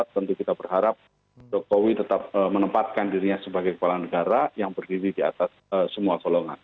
tentu kita berharap jokowi tetap menempatkan dirinya sebagai kepala negara yang berdiri di atas semua golongan